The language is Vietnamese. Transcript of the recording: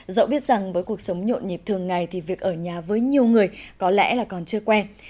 dẫu biết rằng với cuộc sống nhộn nhịp thường ngày thì việc ở nhà với nhiều người có lẽ là còn chưa quen